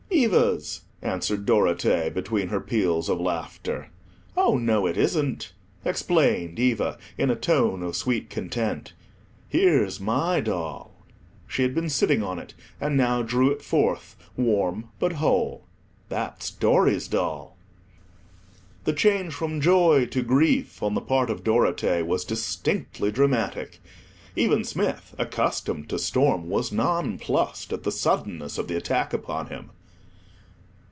"Eva's," answered Dorothea, between her peals of laughter. "Oh no, it isn't," explained Eva, in a tone of sweet content; "here's my doll." She had been sitting on it, and now drew it forth, warm but whole. "That's Dorry's doll." The change from joy to grief on the part of Dorothea was distinctly dramatic. Even Smith, accustomed to storm, was nonplussed at the suddenness of the attack upon him.